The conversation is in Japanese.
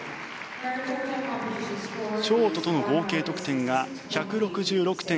ショートとの合計得点が１６６．５７。